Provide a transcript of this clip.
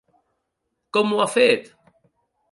Com ho ha fet?